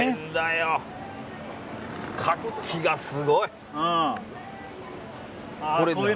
活気がすごい。